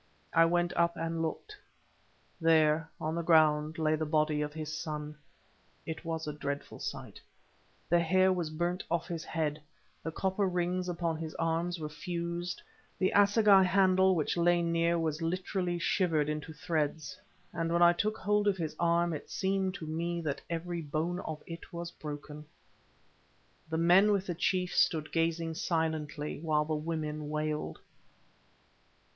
I went up and looked. There, on the ground, lay the body of his son. It was a dreadful sight. The hair was burnt off his head, the copper rings upon his arms were fused, the assegai handle which lay near was literally shivered into threads, and, when I took hold of his arm, it seemed to me that every bone of it was broken. The men with the chief stood gazing silently, while the women wailed.